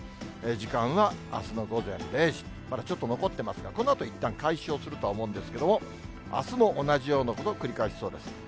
時間はあすの午前０時、まだちょっと残ってますが、このあといったん解消すると思うんですけれども、あすも同じような所、繰り返しそうです。